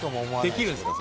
できるんですか？